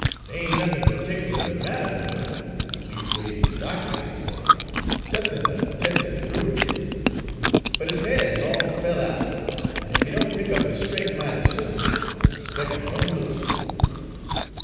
Dey ain' nuffin pertickler de matter wid 'im leastways de doctor say so 'cep'n' a tech er de rheumatiz; but his ha'r is all fell out, en ef he don't pick up his strenk mighty soon, I spec' I'm gwine ter lose 'im.'